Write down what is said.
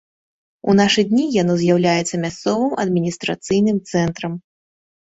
У нашы дні яно з'яўляецца мясцовым адміністрацыйным цэнтрам.